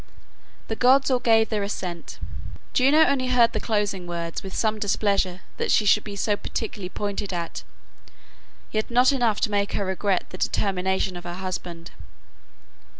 The gods all gave their assent; Juno only heard the closing words with some displeasure that she should be so particularly pointed at, yet not enough to make her regret the determination of her husband.